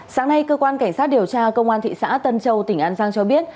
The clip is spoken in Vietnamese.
sáng nay cơ quan cảnh sát điều tra công an thị xã tân châu tỉnh an giang cho biết